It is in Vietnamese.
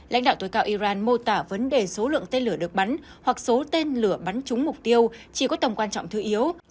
lãnh đạo tối cao iran mô tả vấn đề số lượng tên lửa được bắn hoặc số tên lửa bắn trúng mục tiêu chỉ có tầm quan trọng thứ yếu